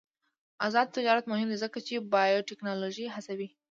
آزاد تجارت مهم دی ځکه چې بایوټیکنالوژي هڅوي.